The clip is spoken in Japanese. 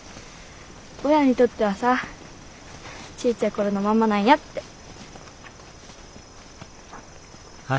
親にとってはさちいちゃい頃のまんまなんやって。